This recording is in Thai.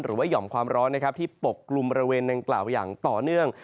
หรือว่าหย่อมความร้อนที่ปกรุมบริเวณนางกล่าวอย่างต่อเนื่อง